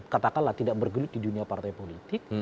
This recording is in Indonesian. katakanlah tidak bergelut di dunia partai politik